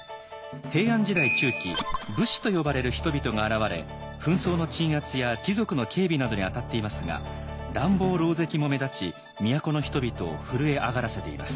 平安時代中期「武士」と呼ばれる人々が現れ紛争の鎮圧や貴族の警備などに当たっていますが乱暴ろうぜきも目立ち都の人々を震え上がらせています。